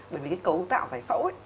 bởi vì cái cấu tạo giải phẫu